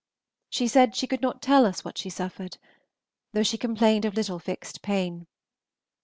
She said she could not tell us what she suffered, though she complained of little fixed pain.